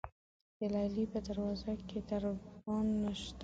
د لیلې په دروازه کې دربان نشته.